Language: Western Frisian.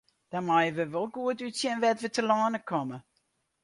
Dan meie we wol goed útsjen wêr't we telâne komme.